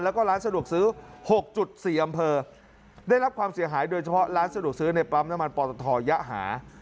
แล้วก็ร้านสะดวกซื้อ๖๔อำเภอได้รับความเสียหายโดยเฉพาะร้านสะดวกซื้อในปั๊มน้ำมันปอตทยหา